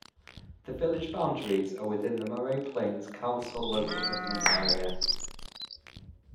The village boundaries are within the Moree Plains Council local government area.